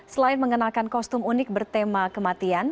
selain mengenalkan kostum unik bertema kematian